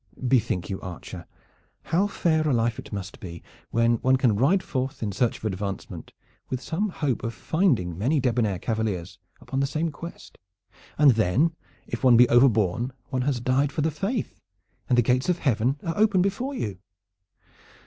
Bethink you, archer, how fair a life it must be when one can ride forth in search of advancement with some hope of finding many debonair cavaliers upon the same quest, and then if one be overborne one has died for the faith, and the gates of Heaven are open before you.